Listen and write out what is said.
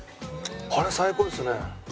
これ最高ですね。